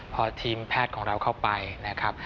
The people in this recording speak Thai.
พอทีมแพทย์ของเราเข้าไปนะครับ